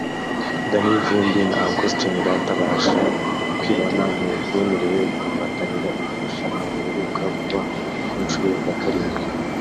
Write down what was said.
Danny Vumbi na Uncle Austin batabasha kwibona mu bemerewe guhatanira iri rushanwa riheruka kuba ku nshuro ya karindwi